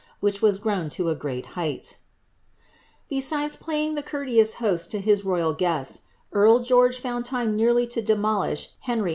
which "B * grown to a great height" Besides playing ihe courleons host lii In? royal guests, earl Geoige found lime nearly to demolish Henry